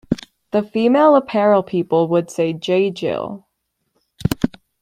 The female apparel people would say J. Jill.